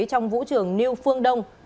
trong vũ trường niu phương đông